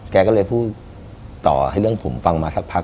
แกก็เลยพูดต่อให้เรื่องผมฟังมาสักพัก